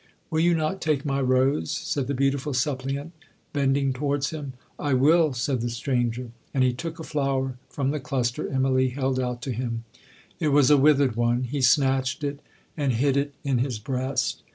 Will you not take my rose,' said the beautiful suppliant, bending towards him. 'I will,' said the stranger; and he took a flower from the cluster Immalee held out to him. It was a withered one. He snatched it, and hid it in his breast.